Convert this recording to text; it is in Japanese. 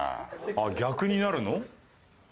あっ逆になるの？